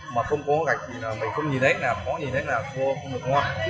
mà không có gạch thì mình không nhìn thấy là có nhìn thấy là cua không được ngon